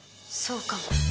そうかも。